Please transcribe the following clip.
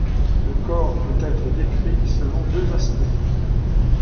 Le corps peut être décrit selon deux aspects.